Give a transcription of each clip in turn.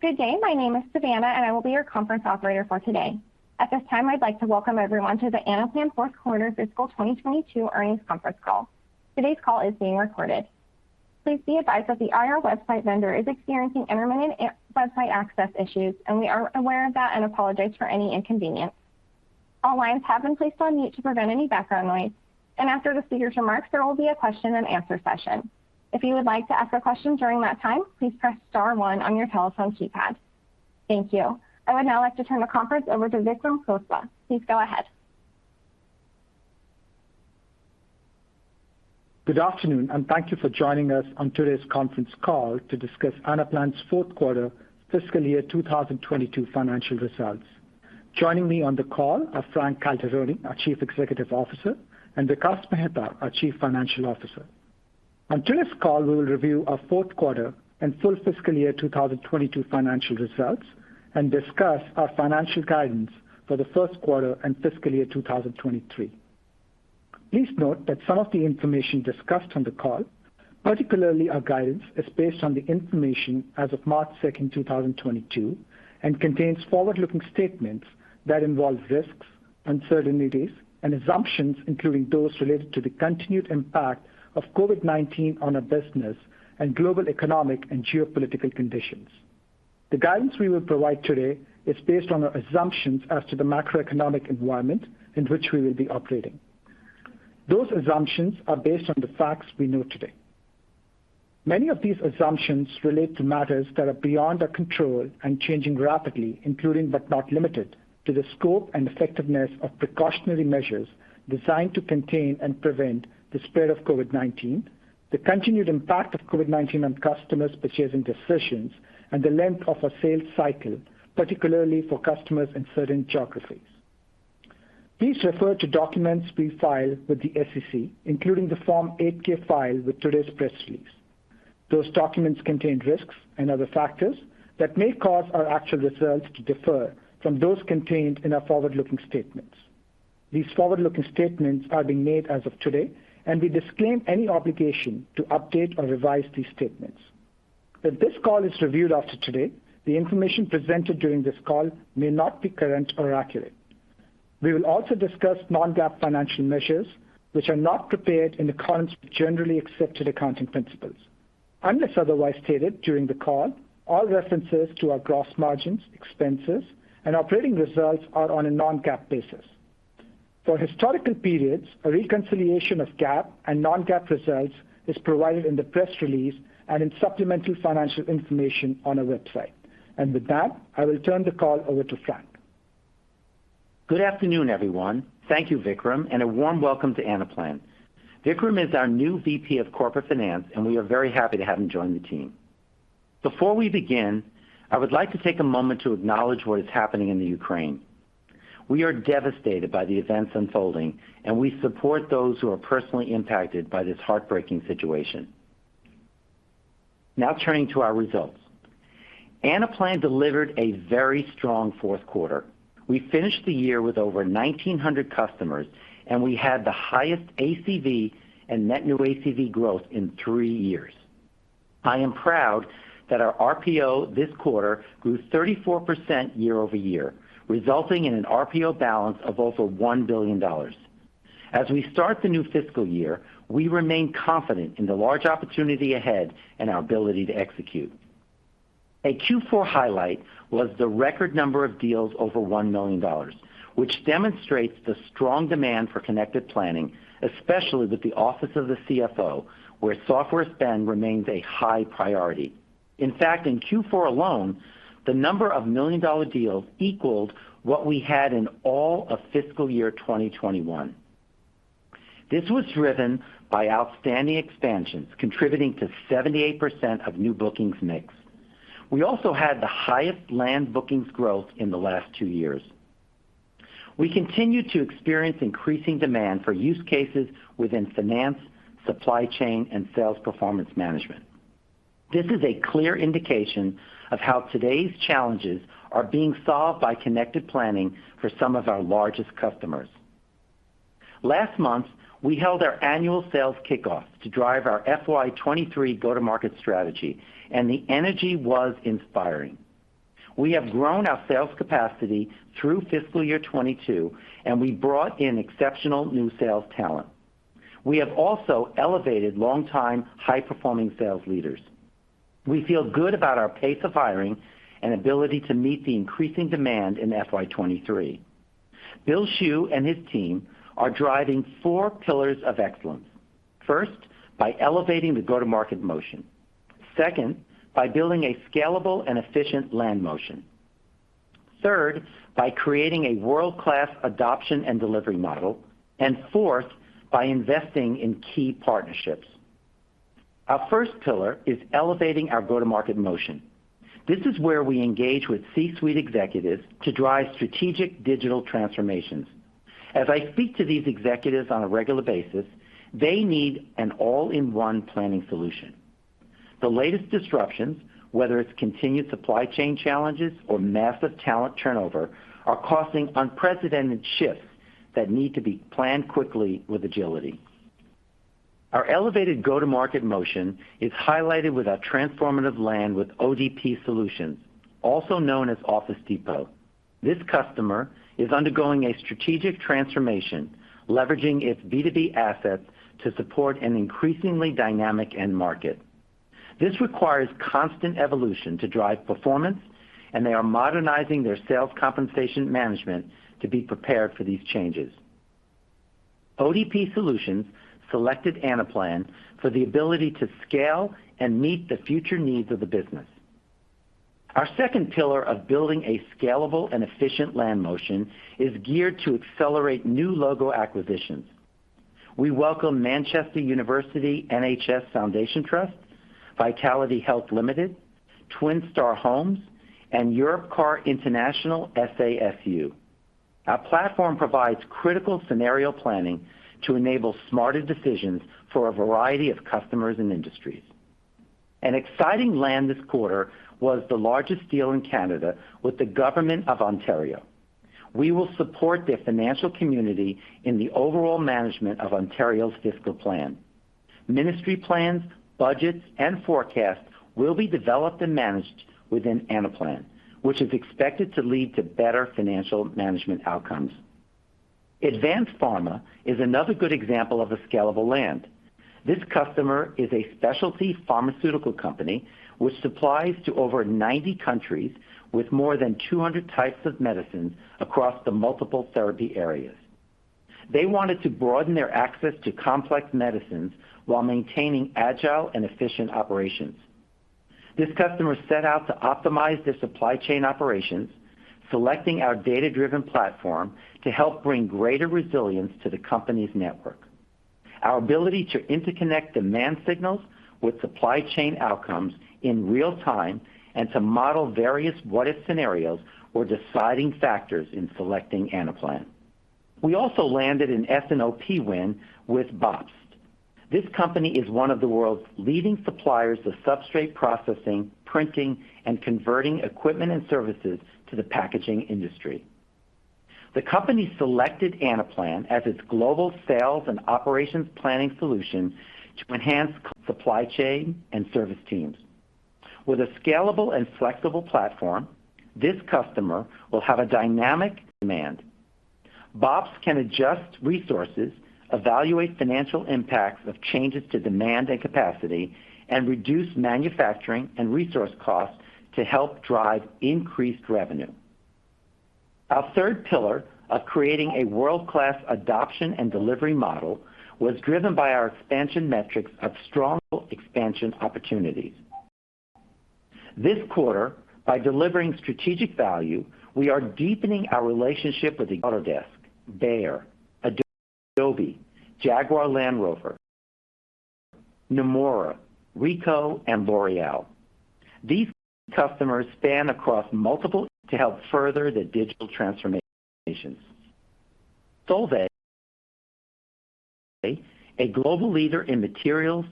Good day. My name is Savannah, and I will be your conference operator for today. At this time, I'd like to welcome everyone to the Anaplan Q4 Fiscal 2022 Earnings Conference Call. Today's call is being recorded. Please be advised that the IR website vendor is experiencing intermittent website access issues, and we are aware of that and apologize for any inconvenience. All lines have been placed on mute to prevent any background noise, and after the speaker's remarks, there will be a question and answer session. If you would like to ask a question during that time, please press star one on your telephone keypad. Thank you. I would now like to turn the conference over to Vikram Khosla. Please go ahead. Good afternoon, and thank you for joining us on today's conference call to discuss Anaplan's fourth quarter fiscal year 2022 financial results. Joining me on the call are Frank Calderoni, our Chief Executive Officer, and Vikas Mehta, our Chief Financial Officer. On today's call, we will review our fourth quarter and full fiscal year 2022 financial results and discuss our financial guidance for the first quarter and fiscal year 2023. Please note that some of the information discussed on the call, particularly our guidance, is based on the information as of March 2nd, 2022, and contains forward-looking statements that involve risks, uncertainties, and assumptions, including those related to the continued impact of COVID-19 on our business and global economic and geopolitical conditions. The guidance we will provide today is based on our assumptions as to the macroeconomic environment in which we will be operating. Those assumptions are based on the facts we know today. Many of these assumptions relate to matters that are beyond our control and changing rapidly, including but not limited to the scope and effectiveness of precautionary measures designed to contain and prevent the spread of COVID-19, the continued impact of COVID-19 on customers' purchasing decisions, and the length of our sales cycle, particularly for customers in certain geographies. Please refer to documents we file with the SEC, including the Form 8-K filed with today's press release. Those documents contain risks and other factors that may cause our actual results to differ from those contained in our forward-looking statements. These forward-looking statements are being made as of today, and we disclaim any obligation to update or revise these statements. If this call is reviewed after today, the information presented during this call may not be current or accurate. We will also discuss non-GAAP financial measures which are not prepared in accordance with generally accepted accounting principles. Unless otherwise stated during the call, all references to our gross margins, expenses, and operating results are on a non-GAAP basis. For historical periods, a reconciliation of GAAP and non-GAAP results is provided in the press release and in supplemental financial information on our website. With that, I will turn the call over to Frank. Good afternoon, everyone. Thank you, Vikram, and a warm welcome to Anaplan. Vikram is our new VP of Corporate Finance, and we are very happy to have him join the team. Before we begin, I would like to take a moment to acknowledge what is happening in Ukraine. We are devastated by the events unfolding, and we support those who are personally impacted by this heartbreaking situation. Now turning to our results. Anaplan delivered a very strong fourth quarter. We finished the year with over 1,900 customers, and we had the highest ACV and net new ACV growth in three years. I am proud that our RPO this quarter grew 34% year-over-year, resulting in an RPO balance of over $1 billion. As we start the new fiscal year, we remain confident in the large opportunity ahead and our ability to execute. A Q4 highlight was the record number of deals over $1 million, which demonstrates the strong demand for connected planning, especially with the office of the CFO, where software spend remains a high priority. In fact, in Q4 alone, the number of $1 million deals equaled what we had in all of fiscal year 2021. This was driven by outstanding expansions, contributing to 78% of new bookings mix. We also had the highest land bookings growth in the last two years. We continue to experience increasing demand for use cases within finance, supply chain, and sales performance management. This is a clear indication of how today's challenges are being solved by connected planning for some of our largest customers. Last month, we held our annual sales kickoff to drive our FY 2023 go-to-market strategy, and the energy was inspiring. We have grown our sales capacity through fiscal year 2022, and we brought in exceptional new sales talent. We have also elevated long-time high-performing sales leaders. We feel good about our pace of hiring and ability to meet the increasing demand in FY 2023. Bill Schuh and his team are driving four pillars of excellence. First, by elevating the go-to-market motion. Second, by building a scalable and efficient land motion. Third, by creating a world-class adoption and delivery model. Fourth, by investing in key partnerships. Our first pillar is elevating our go-to-market motion. This is where we engage with C-suite executives to drive strategic digital transformations. As I speak to these executives on a regular basis, they need an all-in-one planning solution. The latest disruptions, whether it's continued supply chain challenges or massive talent turnover, are causing unprecedented shifts that need to be planned quickly with agility. Our elevated go-to-market motion is highlighted with our transformative land with ODP Business Solutions, also known as Office Depot. This customer is undergoing a strategic transformation, leveraging its B2B assets to support an increasingly dynamic end market. This requires constant evolution to drive performance, and they are modernizing their sales compensation management to be prepared for these changes. ODP Business Solutions selected Anaplan for the ability to scale and meet the future needs of the business. Our second pillar of building a scalable and efficient land motion is geared to accelerate new logo acquisitions. We welcome Manchester University NHS Foundation Trust, Vitality Health Limited, Tri Pointe Homes, and Europcar International SASU. Our platform provides critical scenario planning to enable smarter decisions for a variety of customers and industries. An exciting land this quarter was the largest deal in Canada with the government of Ontario. We will support their financial community in the overall management of Ontario's fiscal plan. Ministry plans, budgets, and forecasts will be developed and managed within Anaplan, which is expected to lead to better financial management outcomes. Advanz Pharma is another good example of a scalable land. This customer is a specialty pharmaceutical company which supplies to over 90 countries with more than 200 types of medicines across the multiple therapy areas. They wanted to broaden their access to complex medicines while maintaining agile and efficient operations. This customer set out to optimize their supply chain operations, selecting our data-driven platform to help bring greater resilience to the company's network. Our ability to interconnect demand signals with supply chain outcomes in real time and to model various what-if scenarios were deciding factors in selecting Anaplan. We also landed an S&OP win with Bobst. This company is one of the world's leading suppliers of substrate processing, printing, and converting equipment and services to the packaging industry. The company selected Anaplan as its global sales and operations planning solution to enhance supply chain and service teams. With a scalable and flexible platform, this customer will have a dynamic demand. Bobst can adjust resources, evaluate financial impacts of changes to demand and capacity, and reduce manufacturing and resource costs to help drive increased revenue. Our third pillar of creating a world-class adoption and delivery model was driven by our expansion metrics of strong expansion opportunities. This quarter, by delivering strategic value, we are deepening our relationship with Autodesk, Bayer, Adobe, Jaguar Land Rover, Nomura, Ricoh, and L'Oréal. These customers span across multiple verticals to help further their digital transformations. Solvay, a global leader in materials,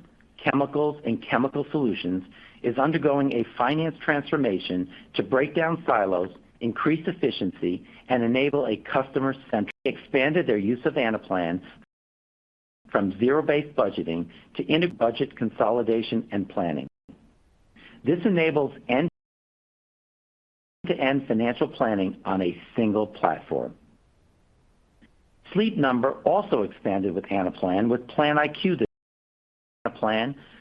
chemicals, and chemical solutions, is undergoing a finance transformation to break down silos, increase efficiency, and enable a customer-centric approach. They expanded their use of Anaplan from zero-based budgeting to integrated budget consolidation and planning. This enables end-to-end financial planning on a single platform. Sleep Number also expanded with Anaplan with Plan IQ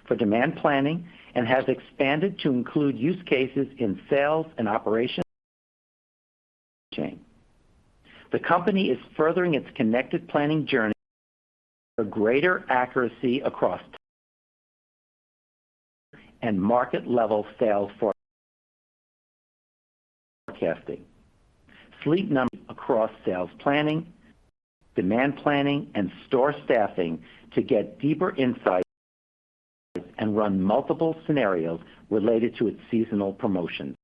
for demand planning and has expanded to include use cases in sales and operations planning. The company is furthering its connected planning journey for greater accuracy across sales planning, demand planning, and store staffing and market-level sales forecasting to get deeper insights and run multiple scenarios related to its seasonal promotions.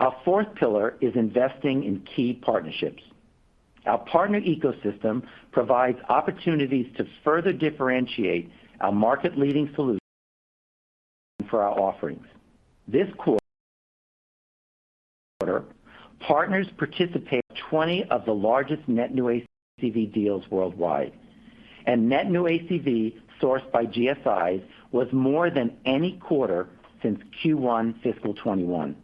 Our fourth pillar is investing in key partnerships. Our partner ecosystem provides opportunities to further differentiate our market-leading solutions for our offerings. This quarter, partners participated in 20 of the largest net new ACV deals worldwide, and net new ACV sourced by GSIs was more than any quarter since Q1 fiscal 2021.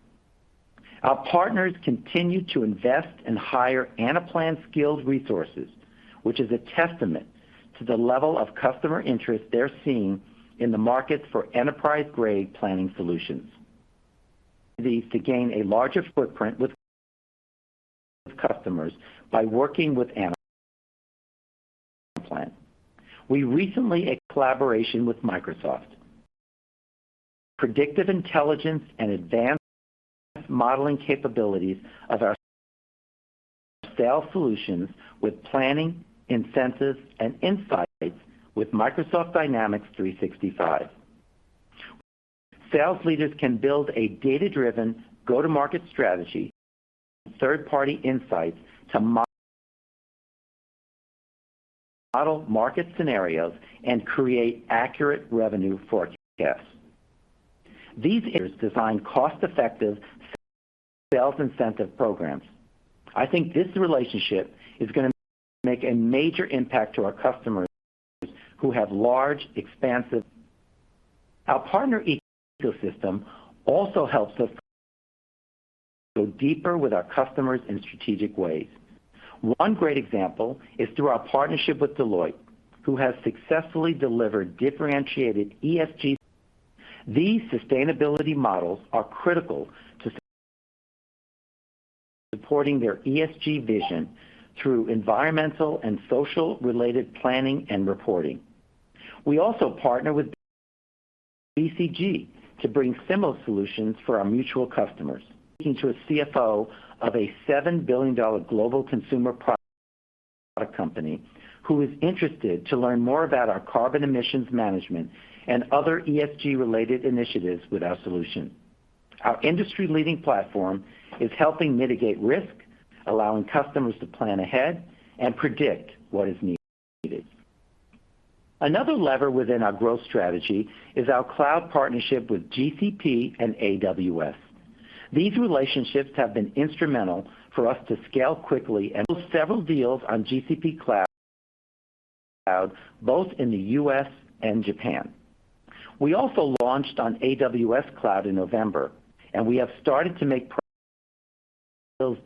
Our partners continue to invest and hire Anaplan skilled resources, which is a testament to the level of customer interest they're seeing in the markets for enterprise-grade planning solutions to gain a larger footprint with customers by working with Anaplan. We recently announced a collaboration with Microsoft. Predictive intelligence and advanced modeling capabilities of our sales solutions integrate with planning, incentives, and insights in Microsoft Dynamics 365. Sales leaders can build a data-driven go-to-market strategy, use third-party insights to model market scenarios, and create accurate revenue forecasts. In these areas, we design cost-effective sales incentive programs. I think this relationship is gonna make a major impact to our customers who have large, expansive. Our partner ecosystem also helps us go deeper with our customers in strategic ways. One great example is through our partnership with Deloitte, who has successfully delivered differentiated ESG. These sustainability models are critical to supporting their ESG vision through environmental and social related planning and reporting. We also partner with BCG to bring similar solutions for our mutual customers. Speaking to a CFO of a $7 billion global consumer product company who is interested to learn more about our carbon emissions management and other ESG related initiatives with our solution. Our industry-leading platform is helping mitigate risk, allowing customers to plan ahead and predict what is needed. Another lever within our growth strategy is our cloud partnership with GCP and AWS. These relationships have been instrumental for us to scale quickly and several deals on GCP cloud, both in the U.S. and Japan. We also launched on AWS cloud in November, and we have started to make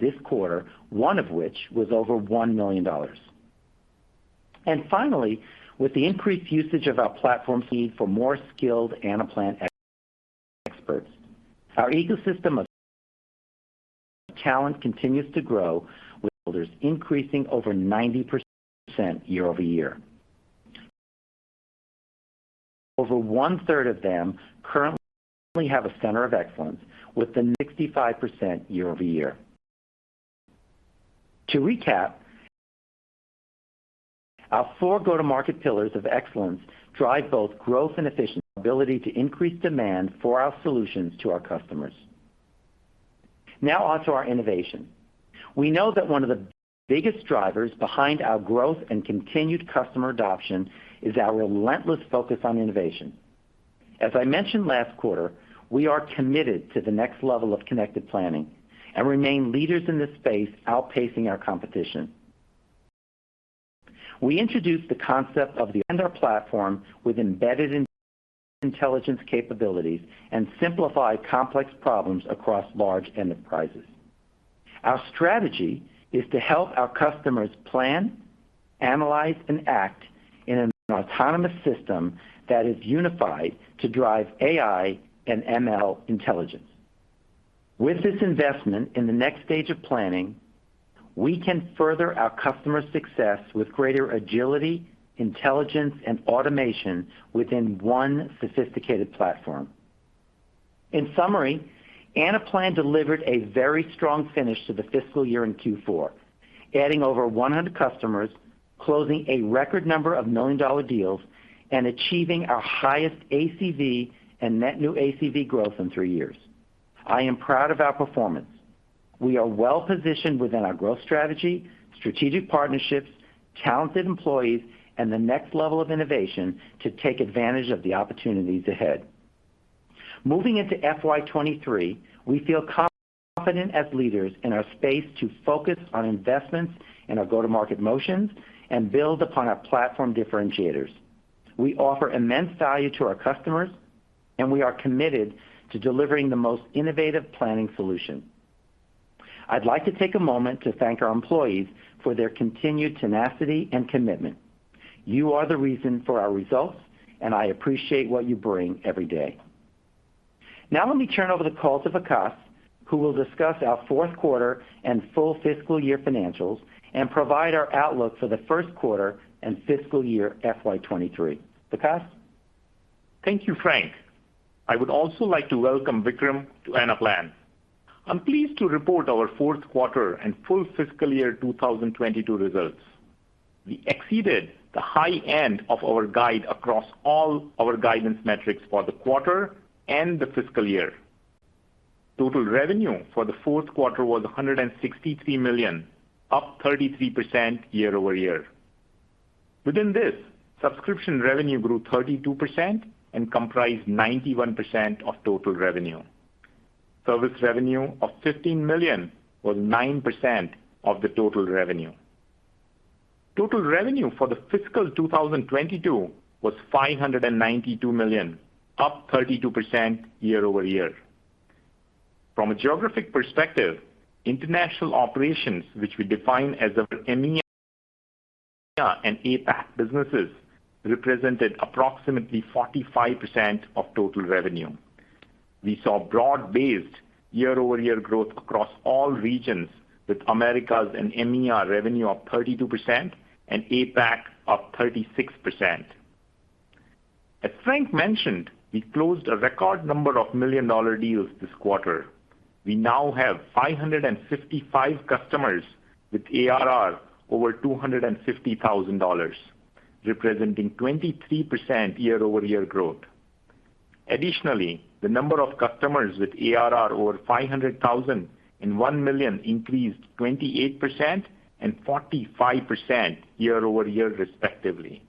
this quarter, one of which was over $1 million. Finally, with the increased usage of our platforms need for more skilled Anaplan experts. Our ecosystem of talent continues to grow with builders increasing over 90% year-over-year. Over one third of them currently have a center of excellence with the 65% year-over-year. To recap, our four go-to-market pillars of excellence drive both growth and efficiency, ability to increase demand for our solutions to our customers. Now on to our innovation. We know that one of the biggest drivers behind our growth and continued customer adoption is our relentless focus on innovation. As I mentioned last quarter, we are committed to the next level of connected planning and remain leaders in this space, outpacing our competition. We introduced the concept of the and our platform with embedded intelligence capabilities and simplify complex problems across large enterprises. Our strategy is to help our customers plan, analyze, and act in an autonomous system that is unified to drive AI and ML intelligence. With this investment in the next stage of planning, we can further our customer success with greater agility, intelligence, and automation within one sophisticated platform. In summary, Anaplan delivered a very strong finish to the fiscal year in Q4, adding over 100 customers, closing a record number of million-dollar deals, and achieving our highest ACV and net new ACV growth in three years. I am proud of our performance. We are well positioned within our growth strategy, strategic partnerships, talented employees, and the next level of innovation to take advantage of the opportunities ahead. Moving into FY 2023, we feel confident as leaders in our space to focus on investments in our go-to-market motions and build upon our platform differentiators. We offer immense value to our customers, and we are committed to delivering the most innovative planning solution. I'd like to take a moment to thank our employees for their continued tenacity and commitment. You are the reason for our results, and I appreciate what you bring every day. Now let me turn over the call to Vikas, who will discuss our fourth quarter and full fiscal year financials and provide our outlook for the first quarter and fiscal year FY 2023. Vikas. Thank you, Frank. I would also like to welcome Vikram to Anaplan. I'm pleased to report our fourth quarter and full fiscal year 2022 results. We exceeded the high end of our guide across all our guidance metrics for the quarter and the fiscal year. Total revenue for the fourth quarter was $163 million, up 33% year-over-year. Within this, subscription revenue grew 32% and comprised 91% of total revenue. Service revenue of $15 million was 9% of the total revenue. Total revenue for the fiscal 2022 was $592 million, up 32% year-over-year. From a geographic perspective, international operations, which we define as our EMEA and APAC businesses, represented approximately 45% of total revenue. We saw broad-based year-over-year growth across all regions, with Americas and EMEA revenue of 32% and APAC of 36%. As Frank mentioned, we closed a record number of million-dollar deals this quarter. We now have 555 customers with ARR over $250,000, representing 23% year-over-year growth. Additionally, the number of customers with ARR over $500,000 and $1 million increased 28% and 45% year-over-year, respectively.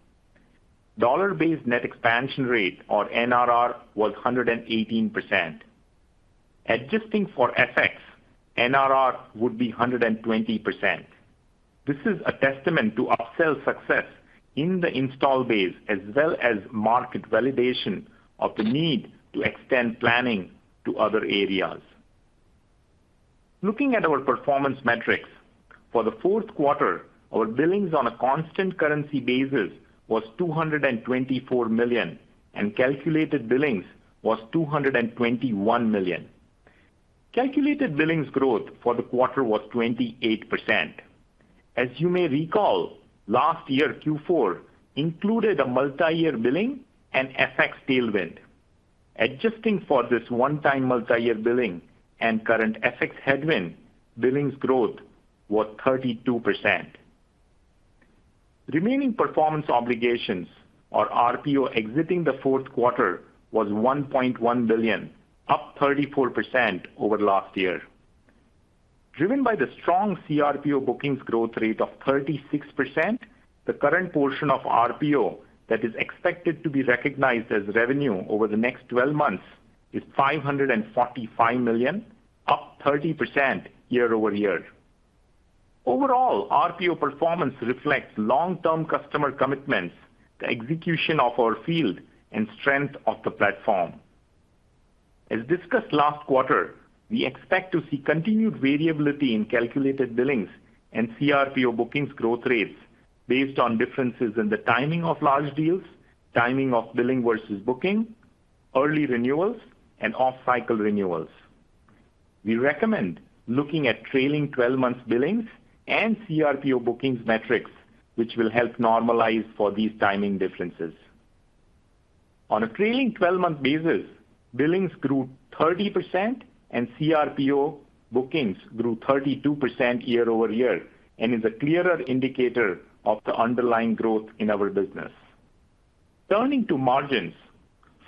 Dollar-based net expansion rate, or NRR, was 118%. Adjusting for FX, NRR would be 120%. This is a testament to upsell success in the installed base, as well as market validation of the need to extend planning to other areas. Looking at our performance metrics, for the fourth quarter, our billings on a constant currency basis was $224 million, and calculated billings was $221 million. Calculated billings growth for the quarter was 28%. As you may recall, last year, Q4 included a multi-year billing and FX tailwind. Adjusting for this one-time multi-year billing and current FX headwind, billings growth was 32%. Remaining performance obligations or RPO exiting the Q4 was $1.1 billion, up 34% over last year. Driven by the strong CRPO bookings growth rate of 36%, the current portion of RPO that is expected to be recognized as revenue over the next twelve months is $545 million, up 30% year-over-year. Overall, RPO performance reflects long-term customer commitments, the execution of our field, and strength of the platform. As discussed last quarter, we expect to see continued variability in calculated billings and CRPO bookings growth rates based on differences in the timing of large deals, timing of billing versus booking, early renewals, and off-cycle renewals. We recommend looking at trailing twelve-month billings and CRPO bookings metrics, which will help normalize for these timing differences. On a trailing twelve-month basis, billings grew 30% and CRPO bookings grew 32% year-over-year, and is a clearer indicator of the underlying growth in our business. Turning to margins,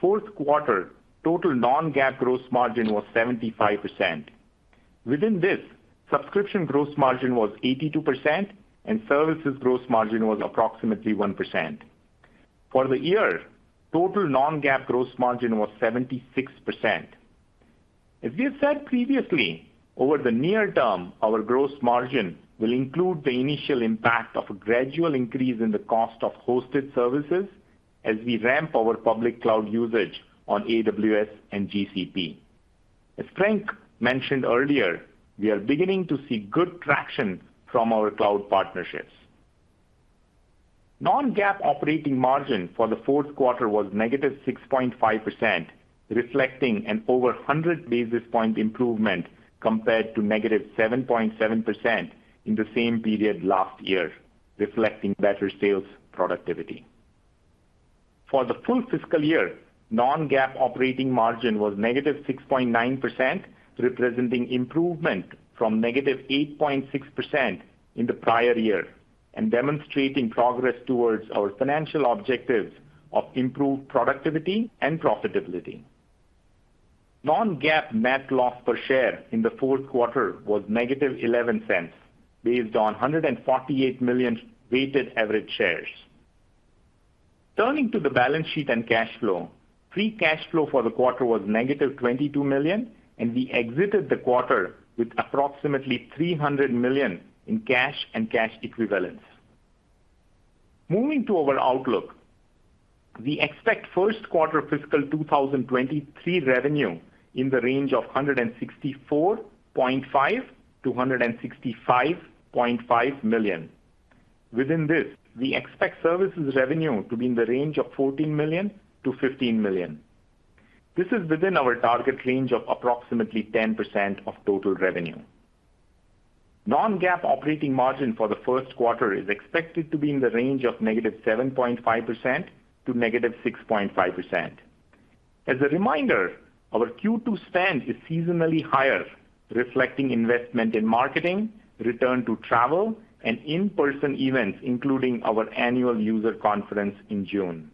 Q4 total non-GAAP gross margin was 75%. Within this, subscription gross margin was 82% and services gross margin was approximately 1%. For the year, total non-GAAP gross margin was 76%. As we have said previously, over the near term, our gross margin will include the initial impact of a gradual increase in the cost of hosted services as we ramp our public cloud usage on AWS and GCP. As Frank mentioned earlier, we are beginning to see good traction from our cloud partnerships. Non-GAAP operating margin for the fourth quarter was -6.5%, reflecting an over 100 basis point improvement compared to -7.7% in the same period last year, reflecting better sales productivity. For the full fiscal year, non-GAAP operating margin was -6.9%, representing improvement from -8.6% in the prior year and demonstrating progress towards our financial objectives of improved productivity and profitability. Non-GAAP net loss per share in the Q4 was -$0.11 based on 148 million weighted average shares. Turning to the balance sheet and cash flow, free cash flow for the quarter was -$22 million, and we exited the quarter with approximately $300 million in cash and cash equivalents. Moving to our outlook. We expect first quarter fiscal 2023 revenue in the range of $164.5 million-$165.5 million. Within this, we expect services revenue to be in the range of $14 million-$15 million. This is within our target range of approximately 10% of total revenue. Non-GAAP operating margin for the first quarter is expected to be in the range of -7.5% to -6.5%. As a reminder, our Q2 spend is seasonally higher, reflecting investment in marketing, return to travel, and in-person events, including our annual user conference in June.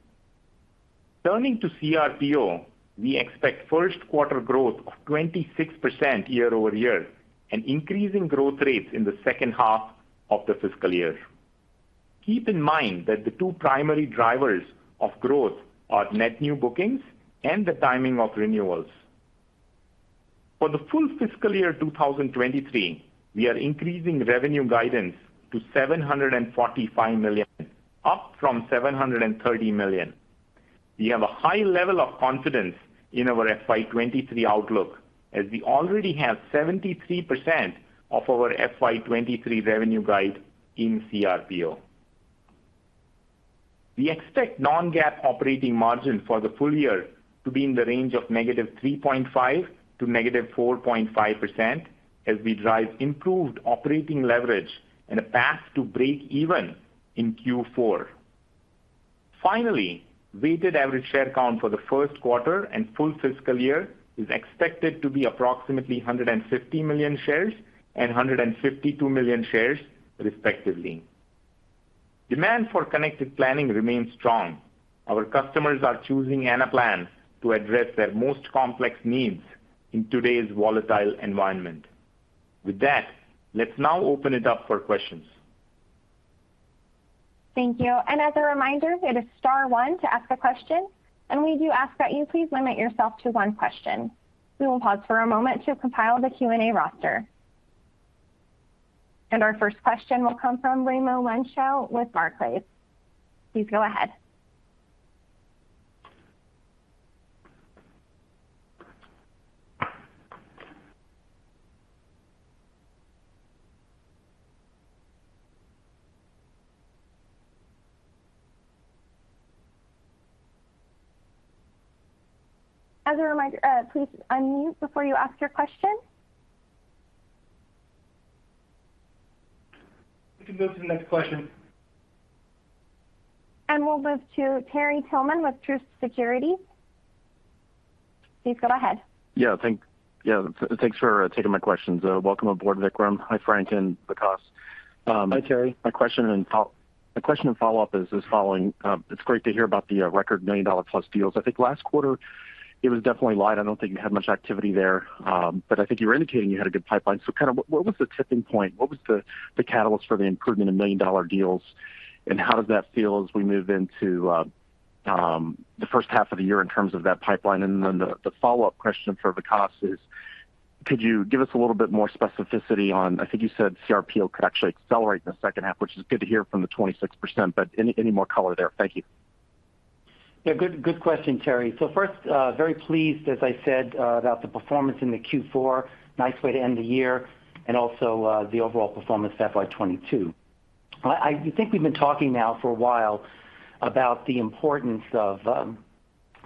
Turning to CRPO, we expect first quarter growth of 26% year-over-year and increasing growth rates in the second half of the fiscal year. Keep in mind that the two primary drivers of growth are net new bookings and the timing of renewals. For the full fiscal year 2023, we are increasing revenue guidance to $745 million, up from $730 million. We have a high level of confidence in our FY 2023 outlook, as we already have 73% of our FY 2023 revenue guide in CRPO. We expect non-GAAP operating margin for the full year to be in the range of -3.5%--4.5% as we drive improved operating leverage and a path to break even in Q4. Finally, weighted average share count for the first quarter and full fiscal year is expected to be approximately 150 million shares and 152 million shares, respectively. Demand for connected planning remains strong. Our customers are choosing Anaplan to address their most complex needs in today's volatile environment. With that, let's now open it up for questions. Thank you. As a reminder, it is star one to ask a question, and we do ask that you please limit yourself to one question. We will pause for a moment to compile the Q&A roster. Our first question will come from Raimo Lenschow with Barclays. Please go ahead. As a reminder, please unmute before you ask your question. We can go to the next question. We'll move to Terry Tillman with Truist Securities. Please go ahead. Yeah. Thanks for taking my questions. Welcome aboard, Vikram. Hi, Frank and Vikas. Hi, Terry. My question and follow-up is following. It's great to hear about the record million-dollar plus deals. I think last quarter it was definitely light. I don't think you had much activity there. But I think you were indicating you had a good pipeline. So kind of what was the tipping point? What was the catalyst for the improvement in million-dollar deals, and how does that feel as we move into the first half of the year in terms of that pipeline? Then the follow-up question for Vikas is, could you give us a little bit more specificity on I think you said CRPO could actually accelerate in the second half, which is good to hear from the 26%, but any more color there? Thank you. Good question, Terry. First, very pleased, as I said, about the performance in Q4. Nice way to end the year and also the overall performance, FY 2022. I think we've been talking now for a while about the importance of,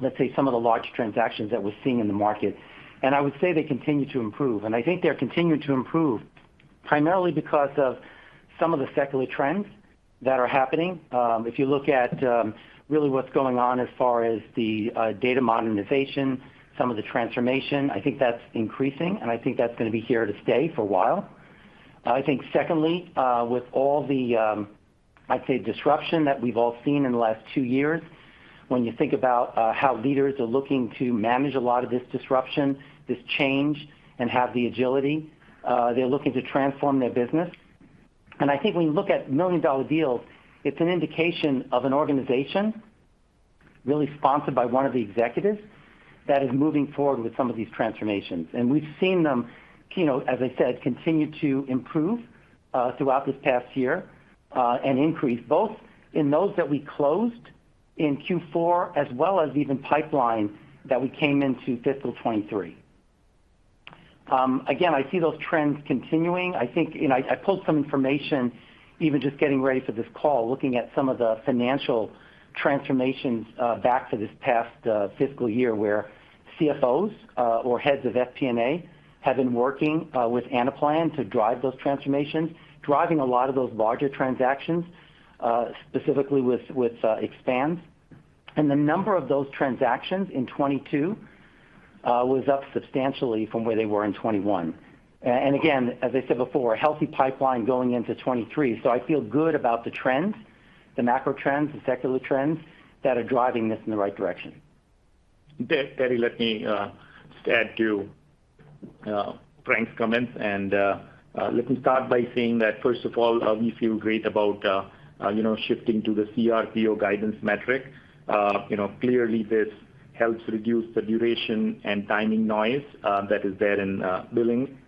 let's say, some of the larger transactions that we're seeing in the market, and I would say they continue to improve. I think they're continuing to improve primarily because of some of the secular trends that are happening. If you look at really what's going on as far as the data modernization, some of the transformation, I think that's increasing, and I think that's gonna be here to stay for a while. I think secondly, with all the, I'd say disruption that we've all seen in the last two years, when you think about how leaders are looking to manage a lot of this disruption, this change, and have the agility, they're looking to transform their business. I think when you look at million-dollar deals, it's an indication of an organization really sponsored by one of the executives that is moving forward with some of these transformations. We've seen them, you know, as I said, continue to improve throughout this past year and increase both in those that we closed in Q4 as well as even pipeline that we came into fiscal 2023. Again, I see those trends continuing. I think, you know. I pulled some information even just getting ready for this call, looking at some of the financial transformations back to this past fiscal year, where CFOs or heads of FP&A have been working with Anaplan to drive those transformations, driving a lot of those larger transactions, specifically with expansions. The number of those transactions in 2022 was up substantially from where they were in 2021. Again, as I said before, a healthy pipeline going into 2023. I feel good about the trends, the macro trends, the secular trends that are driving this in the right direction. Terry, let me just add to Frank's comments. Let me start by saying that first of all, we feel great about you know, shifting to the CRPO guidance metric. You know, clearly this helps reduce the duration and timing noise that is there in billing.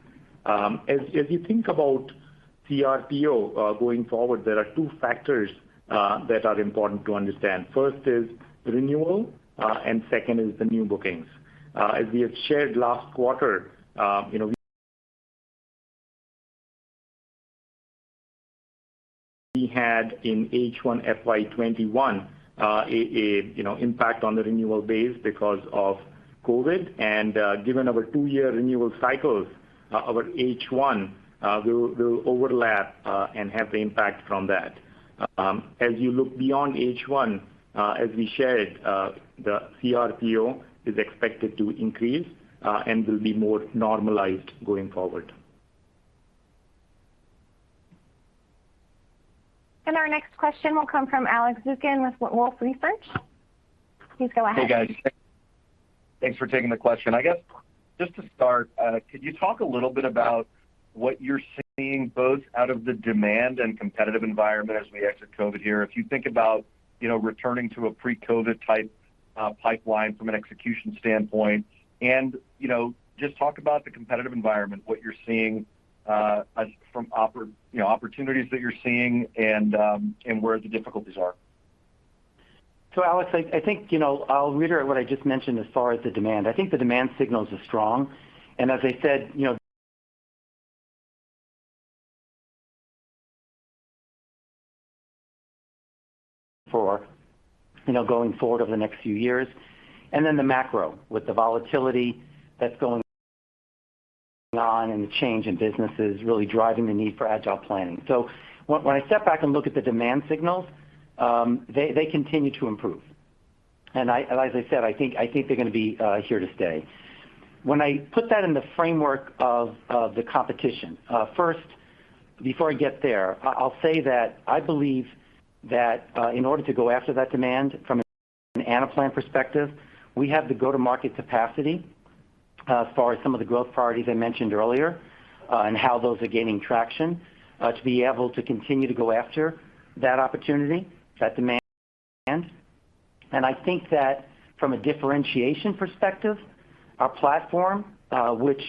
As you think about CRPO going forward, there are two factors that are important to understand. First is renewal and second is the new bookings. As we have shared last quarter, you know, we had in H1 FY 2021 a impact on the renewal base because of COVID. Given our two-year renewal cycles, our H1 will overlap and have the impact from that. As you look beyond H1, as we shared, the CRPO is expected to increase and will be more normalized going forward. Our next question will come from Alex Zukin with Wolfe Research. Please go ahead. Hey, guys. Thanks for taking the question. I guess just to start, could you talk a little bit about what you're seeing both out of the demand and competitive environment as we exit COVID here? If you think about, you know, returning to a pre-COVID type pipeline from an execution standpoint, and, you know, just talk about the competitive environment, what you're seeing, you know, opportunities that you're seeing and where the difficulties are. Alex, I think, you know, I'll reiterate what I just mentioned as far as the demand. I think the demand signals are strong. As I said, you know, going forward over the next few years. Then the macro with the volatility that's going on and the change in businesses really driving the need for agile planning. When I step back and look at the demand signals, they continue to improve. As I said, I think they're gonna be here to stay. When I put that in the framework of the competition, first, before I get there, I'll say that I believe that in order to go after that demand from an Anaplan perspective, we have the go-to-market capacity, as far as some of the growth priorities I mentioned earlier, and how those are gaining traction, to be able to continue to go after that opportunity, that demand. I think that from a differentiation perspective, our platform, which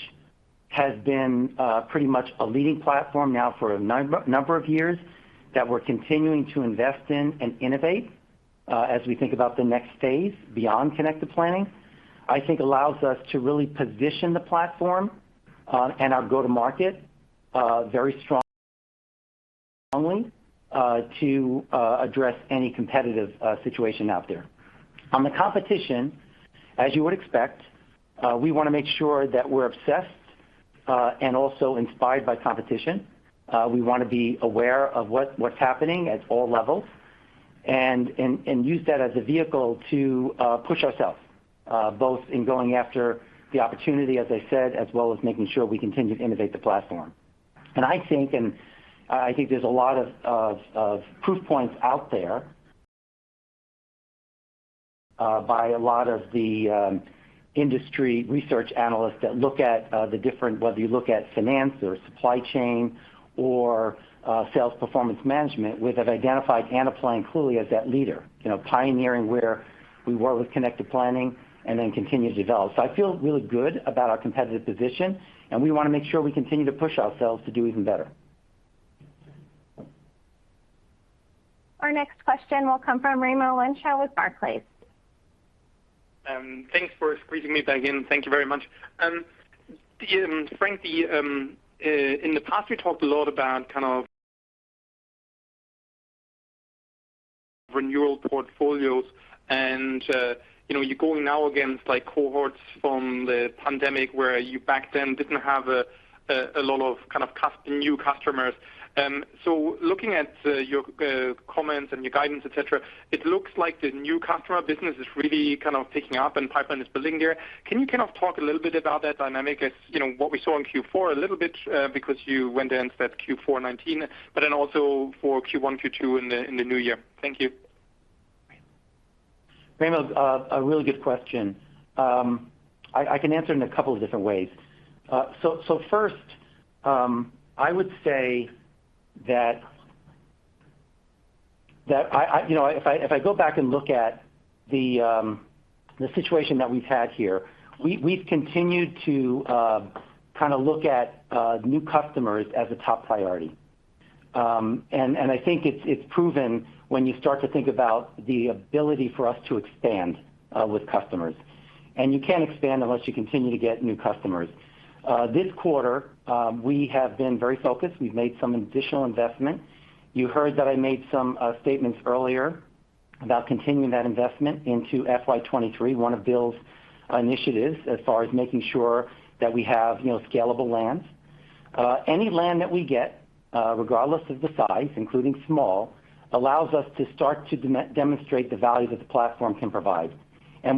has been pretty much a leading platform now for a number of years, that we're continuing to invest in and innovate, as we think about the next phase beyond connected planning, I think allows us to really position the platform, and our go-to-market very strongly, to address any competitive situation out there. On the competition, as you would expect, we wanna make sure that we're obsessed and also inspired by competition. We wanna be aware of what's happening at all levels, and use that as a vehicle to push ourselves both in going after the opportunity, as I said, as well as making sure we continue to innovate the platform. I think there's a lot of proof points out there by a lot of the industry research analysts that look at the different, whether you look at finance or supply chain or sales performance management, where they've identified Anaplan clearly as that leader, you know, pioneering where we work with connected planning and then continue to develop. I feel really good about our competitive position, and we wanna make sure we continue to push ourselves to do even better. Our next question will come from Raimo Lenschow with Barclays. Thanks for squeezing me back in. Thank you very much. Frank, in the past, we talked a lot about kind of renewal portfolios, and you know, you're going now against like cohorts from the pandemic where you back then didn't have a lot of kind of new customers. Looking at your comments and your guidance, et cetera, it looks like the new customer business is really kind of picking up and pipeline is building there. Can you kind of talk a little bit about that dynamic as you know, what we saw in Q4 a little bit, because you went and said Q4 2019, but then also for Q1, Q2 in the new year. Thank you. Raimo, a really good question. I can answer in a couple of different ways. First, I would say that. You know, if I go back and look at the situation that we've had here, we've continued to kinda look at new customers as a top priority. I think it's proven when you start to think about the ability for us to expand with customers. You can't expand unless you continue to get new customers. This quarter, we have been very focused. We've made some additional investment. You heard that I made some statements earlier about continuing that investment into FY 2023, one of Bill's initiatives as far as making sure that we have, you know, scalable land. Any land that we get, regardless of the size, including small, allows us to start to demonstrate the value that the platform can provide.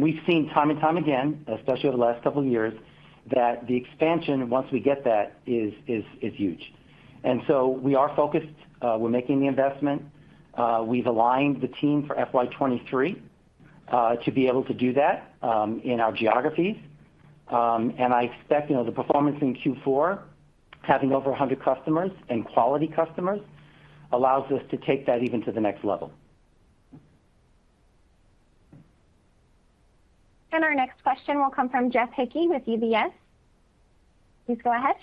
We've seen time and time again, especially over the last couple of years, that the expansion, once we get that, is huge. We are focused. We're making the investment. We've aligned the team for FY 2023 to be able to do that in our geographies. I expect, you know, the performance in Q4, having over 100 customers and quality customers, allows us to take that even to the next level. Our next question will come from Jeff Hickey with UBS. Please go ahead.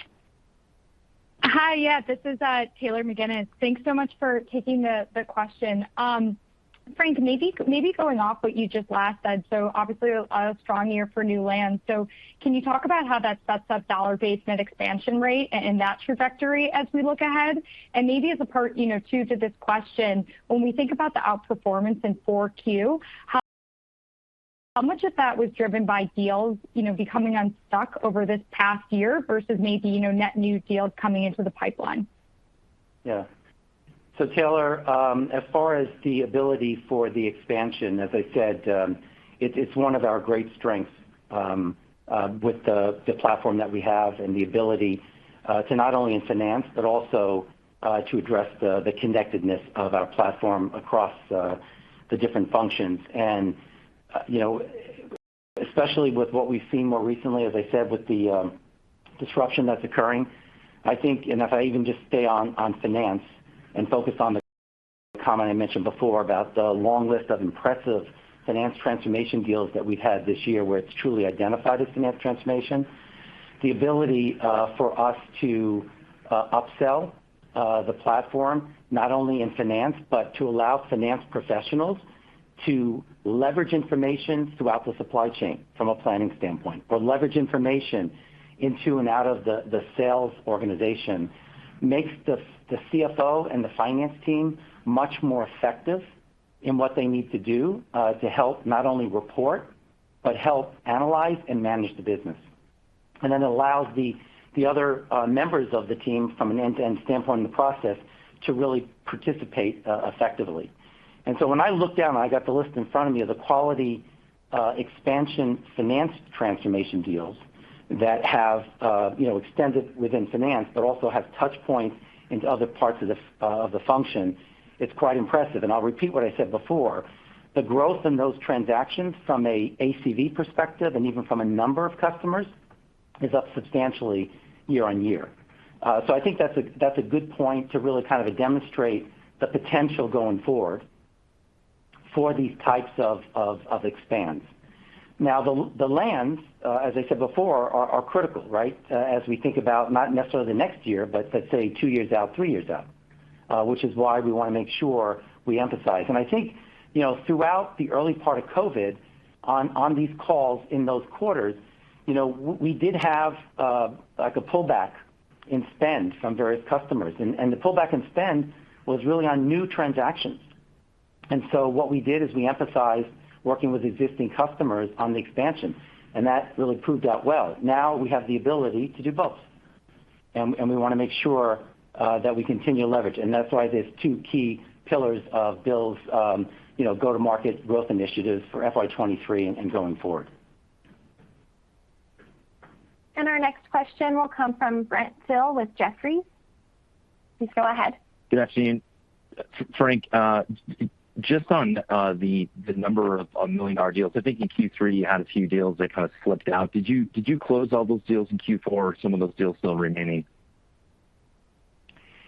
Hi. Yeah, this is Taylor McGinnis. Thanks so much for taking the question. Frank, maybe going off what you just said, so obviously a strong year for new land. Can you talk about how that sets up dollar-based net expansion rate and that trajectory as we look ahead? Maybe as a part two to this question, when we think about the outperformance in Q4, how much of that was driven by deals, you know, becoming unstuck over this past year versus maybe, you know, net new deals coming into the pipeline? Taylor, as far as the ability for the expansion, as I said, it's one of our great strengths with the platform that we have and the ability to not only in finance, but also to address the connectedness of our platform across the different functions. You know, especially with what we've seen more recently, as I said, with the disruption that's occurring, I think, and if I even just stay on finance and focus on the comment I mentioned before about the long list of impressive finance transformation deals that we've had this year, where it's truly identified as finance transformation, the ability for us to upsell the platform not only in finance, but to allow finance professionals to leverage information throughout the supply chain from a planning standpoint or leverage information into and out of the sales organization, makes the CFO and the finance team much more effective in what they need to do to help not only report, but help analyze and manage the business. Then allows the other members of the team from an end-to-end standpoint in the process to really participate effectively. When I look down, I got the list in front of me of the quality expansion finance transformation deals that have, you know, extended within finance, but also have touch points into other parts of the function, it's quite impressive. I'll repeat what I said before. The growth in those transactions from a ACV perspective and even from a number of customers is up substantially year-over-year. I think that's a good point to really kind of demonstrate the potential going forward for these types of expands. Now, the lands, as I said before, are critical, right? As we think about not necessarily the next year, but let's say two years out, three years out, which is why we wanna make sure we emphasize. I think, you know, throughout the early part of COVID-19 on these calls in those quarters, you know, we did have, like, a pullback in spend from various customers, and the pullback in spend was really on new transactions. What we did is we emphasized working with existing customers on the expansion, and that really proved out well. Now we have the ability to do both. We wanna make sure that we continue to leverage. That's why there's two key pillars of Bill's, you know, go-to-market growth initiatives for FY 2023 and going forward. Our next question will come from Brent Thill with Jefferies. Please go ahead. Good afternoon. Frank, just on the number of million-dollar deals, I think in Q3, you had a few deals that kind of slipped out. Did you close all those deals in Q4, or are some of those deals still remaining?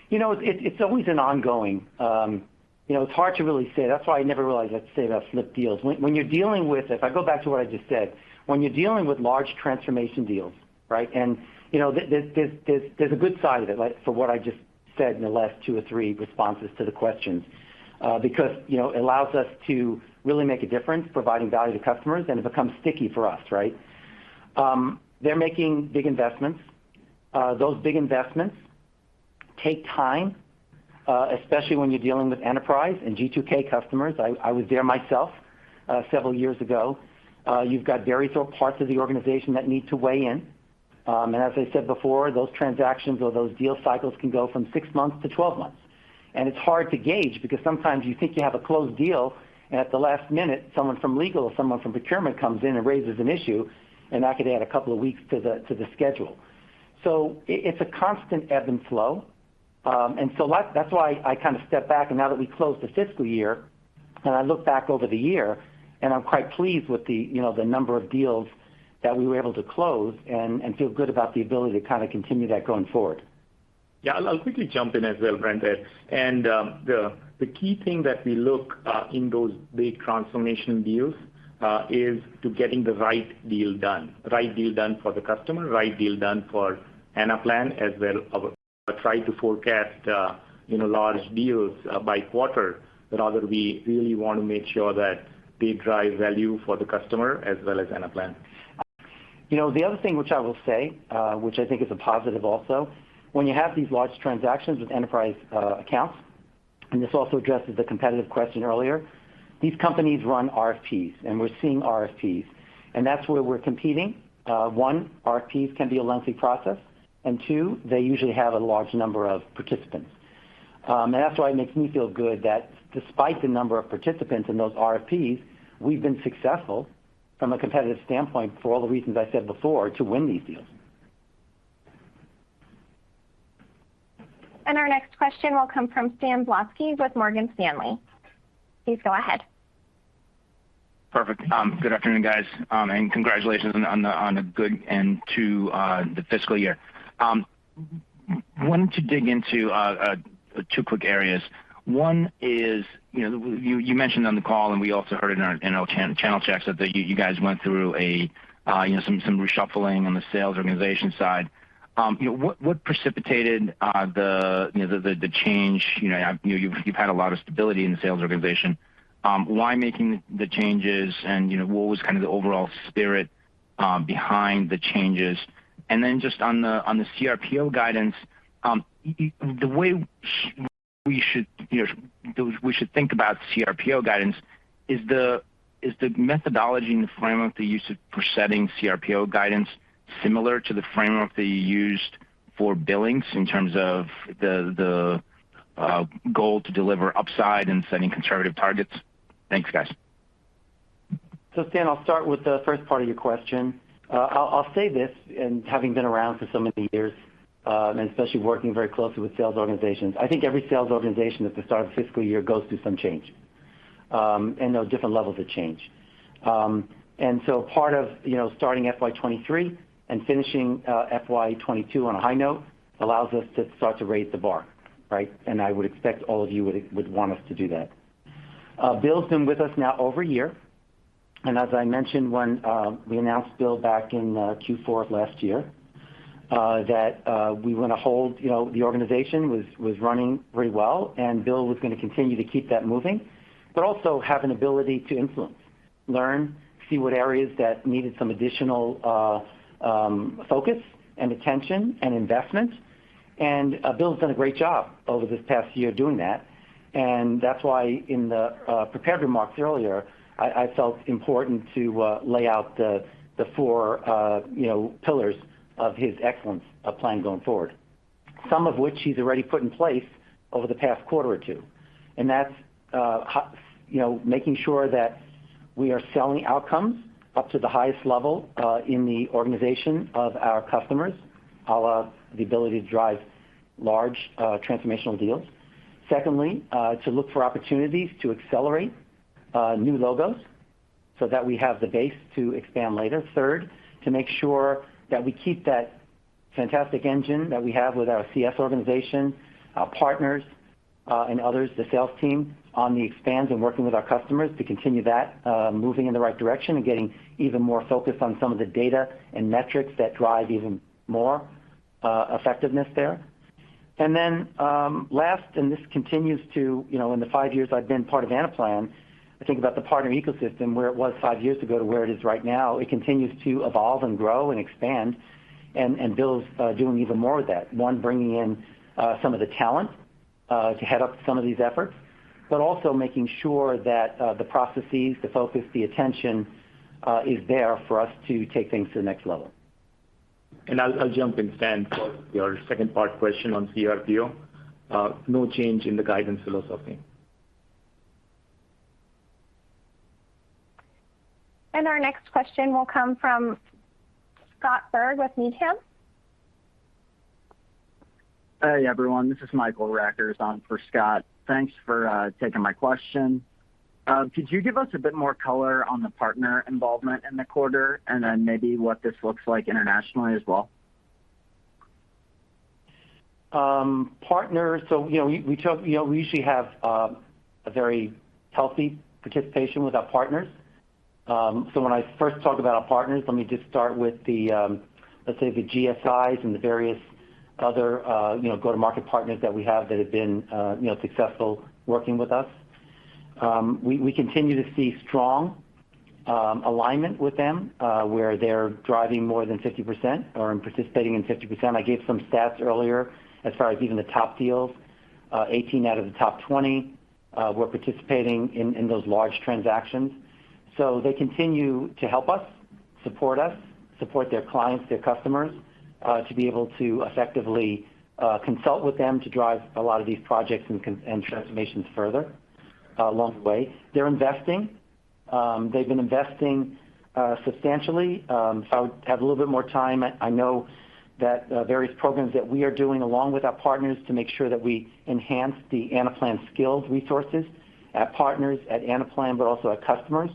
You know, it's always an ongoing. You know, it's hard to really say. That's why I never really like to say about slipped deals. If I go back to what I just said, when you're dealing with large transformation deals, right, and, you know, there's a good side of it, like, for what I just said in the last two or three responses to the questions, because, you know, it allows us to really make a difference providing value to customers, and it becomes sticky for us, right? They're making big investments. Those big investments take time, especially when you're dealing with enterprise and G2K customers. I was there myself several years ago. You've got very thorough parts of the organization that need to weigh in. As I said before, those transactions or those deal cycles can go from six months to 12 months. It's hard to gauge because sometimes you think you have a closed deal, and at the last minute, someone from legal or someone from procurement comes in and raises an issue, and that could add a couple of weeks to the schedule. It's a constant ebb and flow. Like, that's why I kind of step back, and now that we closed the fiscal year, and I look back over the year, and I'm quite pleased with the, you know, the number of deals that we were able to close and feel good about the ability to kind of continue that going forward. Yeah. I'll quickly jump in as well, Brent, and the key thing that we look in those big transformation deals is getting the right deal done, right deal done for the customer, right deal done for Anaplan, as well as try to forecast, you know, large deals by quarter, rather we really want to make sure that they drive value for the customer as well as Anaplan. You know, the other thing which I will say, which I think is a positive also, when you have these large transactions with enterprise accounts, and this also addresses the competitive question earlier, these companies run RFPs, and we're seeing RFPs, and that's where we're competing. One, RFPs can be a lengthy process, and two, they usually have a large number of participants. That's why it makes me feel good that despite the number of participants in those RFPs, we've been successful from a competitive standpoint for all the reasons I said before to win these deals. Our next question will come from Sanjit Singh with Morgan Stanley. Please go ahead. Perfect. Good afternoon, guys, and congratulations on the good end to the fiscal year. Wanted to dig into two quick areas. One is, you know, you mentioned on the call, and we also heard in our channel checks that you guys went through a, you know, some reshuffling on the sales organization side. You know, what precipitated the change? You know, you've had a lot of stability in the sales organization. Why making the changes and, you know, what was kind of the overall spirit behind the changes? Just on the CRPO guidance, the way we should think about CRPO guidance is the methodology and the framework that you used for setting CRPO guidance similar to the framework that you used for billings in terms of the goal to deliver upside and setting conservative targets? Thanks, guys. Sanjit, I'll start with the first part of your question. I'll say this, and having been around for so many years, and especially working very closely with sales organizations, I think every sales organization at the start of a fiscal year goes through some change, and there are different levels of change. Part of, you know, starting FY 2023 and finishing FY 2022 on a high note allows us to start to raise the bar, right? I would expect all of you would want us to do that. Bill's been with us now over a year, and as I mentioned when we announced Bill back in Q4 of last year, that we want to hold, you know, the organization was running pretty well, and Bill was gonna continue to keep that moving, but also have an ability to influence, learn, see what areas that needed some additional focus and attention and investment. Bill's done a great job over this past year doing that. That's why in the prepared remarks earlier, I felt important to lay out the four, you know, pillars of his excellence plan going forward. Some of which he's already put in place over the past quarter or two. That's you know, making sure that we are selling outcomes up to the highest level in the organization of our customers, à la the ability to drive large transformational deals. Secondly, to look for opportunities to accelerate new logos so that we have the base to expand later. Third, to make sure that we keep that fantastic engine that we have with our CS organization, our partners, and others, the sales team, on the expands and working with our customers to continue that moving in the right direction and getting even more focused on some of the data and metrics that drive even more effectiveness there. Last, and this continues to, you know, in the five years I've been part of Anaplan, I think about the partner ecosystem, where it was five years ago to where it is right now. It continues to evolve and grow and expand, and Bill is doing even more with that. One, bringing in some of the talent to head up some of these efforts, but also making sure that the processes, the focus, the attention is there for us to take things to the next level. I'll jump in, Sanjit, for your second part question on CRPO. No change in the guidance philosophy. Our next question will come from Scott Berg with Needham. Hey, everyone. This is Michael Rackers on for Scott. Thanks for taking my question. Could you give us a bit more color on the partner involvement in the quarter, and then maybe what this looks like internationally as well? Partners. You know, we usually have a very healthy participation with our partners. When I first talk about our partners, let me just start with the, let's say, the GSIs and the various other go-to-market partners that we have that have been successful working with us. We continue to see strong alignment with them, where they're driving more than 50% or participating in 50%. I gave some stats earlier as far as even the top deals, 18 out of the top 20 were participating in those large transactions. They continue to help us, support us, support their clients, their customers, to be able to effectively consult with them to drive a lot of these projects and and transformations further along the way. They're investing. They've been investing substantially. If I would have a little bit more time, I know that various programs that we are doing along with our partners to make sure that we enhance the Anaplan skills resources at partners, at Anaplan, but also our customers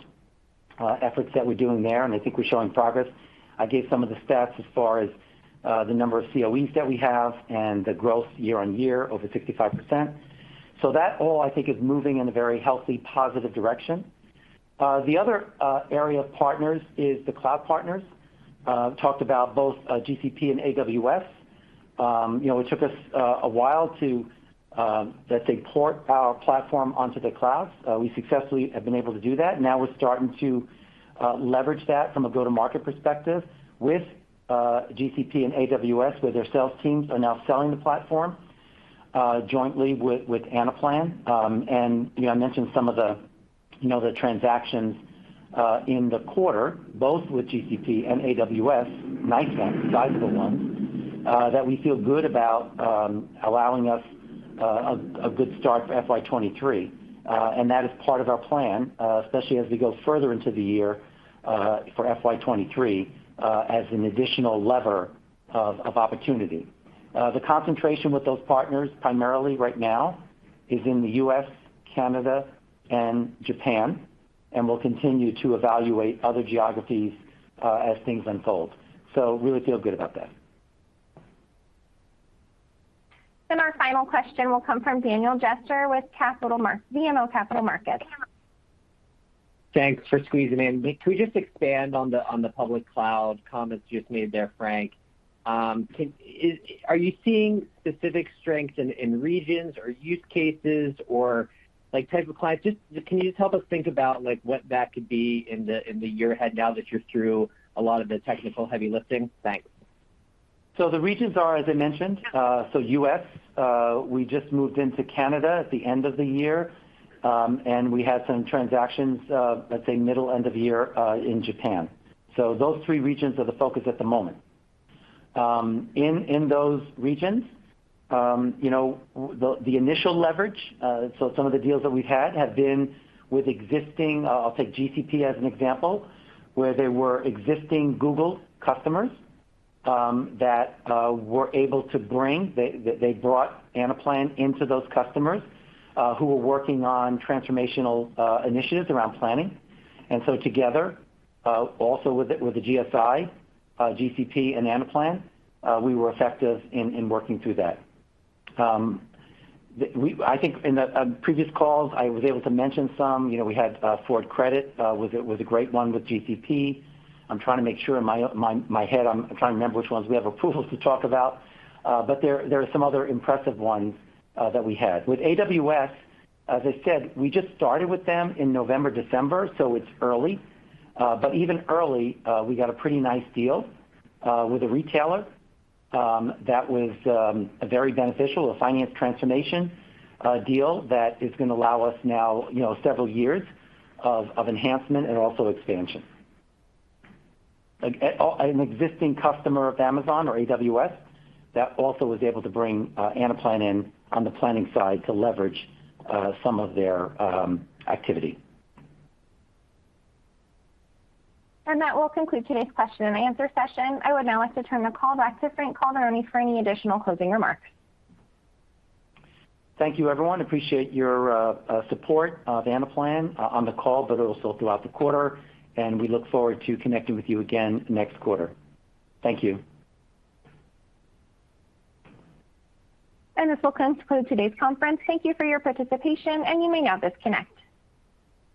efforts that we're doing there, and I think we're showing progress. I gave some of the stats as far as the number of COEs that we have and the growth year-over-year over 65%. That all I think is moving in a very healthy, positive direction. The other area of partners is the cloud partners. Talked about both GCP and AWS. You know, it took us a while to, let's say, port our platform onto the cloud. We successfully have been able to do that. Now we're starting to leverage that from a go-to-market perspective with GCP and AWS, where their sales teams are now selling the platform jointly with Anaplan. You know, I mentioned some of the transactions in the quarter, both with GCP and AWS, nice ones, sizable ones, that we feel good about, allowing us a good start for FY 2023. That is part of our plan, especially as we go further into the year, for FY 2023, as an additional lever of opportunity. The concentration with those partners primarily right now is in the U.S., Canada, and Japan, and we'll continue to evaluate other geographies, as things unfold. Really feel good about that. Our final question will come from Daniel Jester with BMO Capital Markets. Thanks for squeezing me in. Could we just expand on the public cloud comments you just made there, Frank? Are you seeing specific strengths in regions or use cases or, like, type of clients? Can you just help us think about, like, what that could be in the year ahead now that you're through a lot of the technical heavy lifting? Thanks. The regions are, as I mentioned, U.S., we just moved into Canada at the end of the year, and we had some transactions, let's say middle, end of year in Japan. Those three regions are the focus at the moment. In those regions, you know, the initial leverage, so some of the deals that we've had have been with existing. I'll take GCP as an example, where they were existing Google customers. They brought Anaplan into those customers who were working on transformational initiatives around planning. Together also with the GSI, GCP and Anaplan, we were effective in working through that. I think in the previous calls, I was able to mention some. You know, we had Ford Credit was a great one with GCP. I'm trying to make sure in my head, I'm trying to remember which ones we have approval to talk about. But there are some other impressive ones that we had. With AWS, as I said, we just started with them in November, December, so it's early. But even early, we got a pretty nice deal with a retailer that was very beneficial, a finance transformation deal that is gonna allow us now, you know, several years of enhancement and also expansion. An existing customer of Amazon or AWS that also was able to bring Anaplan in on the planning side to leverage some of their activity. That will conclude today's question and answer session. I would now like to turn the call back to Frank Calderoni for any additional closing remarks. Thank you, everyone. I appreciate your support of Anaplan on the call, but also throughout the quarter, and we look forward to connecting with you again next quarter. Thank you. This will conclude today's conference. Thank you for your participation, and you may now disconnect.